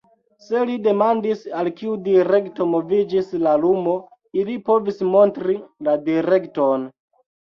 Se li demandis, al kiu direkto moviĝis la lumo, ili povis montri la direkton.